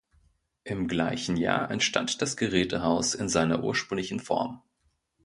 Im gleichen Jahr entstand das Gerätehaus in seiner ursprünglichen Form.